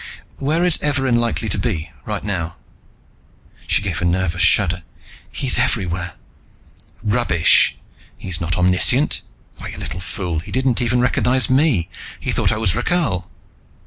"Where is Evarin likely to be, right now?" She gave a nervous shudder. "He's everywhere!" "Rubbish! He's not omniscient! Why, you little fool, he didn't even recognize me. He thought I was Rakhal!"